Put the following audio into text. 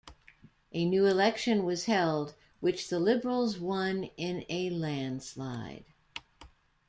A new election was held, which the Liberals won in a landslide.